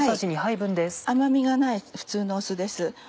甘みがない普通の酢です。